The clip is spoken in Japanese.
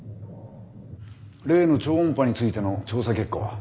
例の超音波についての調査結果は？